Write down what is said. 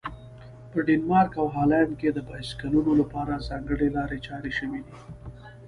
په ډنمارک او هالند کې د بایسکلونو لپاره ځانګړي لارې چارې شوي دي.